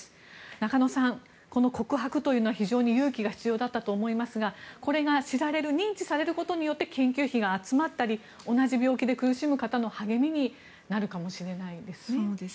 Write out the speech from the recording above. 中野さん、この告白というのは非常に勇気が必要だったと思いますが、これが知られる認知されることによって研究費が集まったり、同じ病気で苦しむ方の励みになるかもしれないですね。